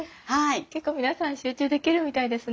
結構皆さん集中できるみたいですね。